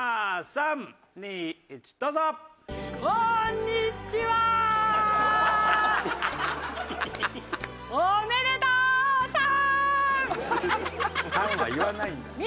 「さん」は言わないんだよ。